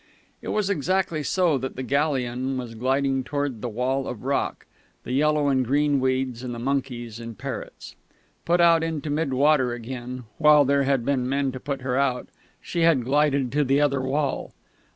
It was exactly so that the galleon was gliding towards the wall of rock, the yellow and green weeds, and the monkeys and parrots. Put out into mid water again (while there had been men to put her out) she had glided to the other wall.